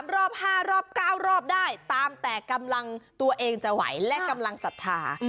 รอบ๕รอบ๙รอบได้ตามแต่กำลังตัวเองจะไหวและกำลังศรัทธา